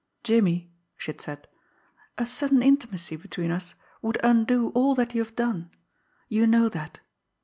"Jimmie," she had said, "a sudden intimacy between us would undo all that you have done you know that.